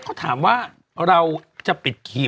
ก็ถามว่าเราจะปิดขี่